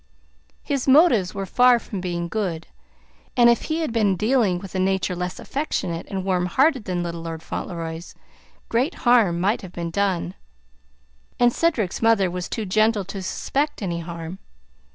His motives were far from being good, and if he had been dealing with a nature less affectionate and warm hearted than little Lord Fauntleroy's, great harm might have been done. And Cedric's mother was too gentle to suspect any harm.